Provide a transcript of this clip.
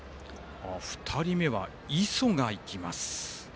２人目は、磯がいきます。